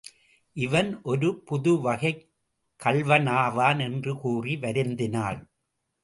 இவன் ஒரு புது வகைக் கள்வனாவான் என்று கூறி வருந்தினாள்.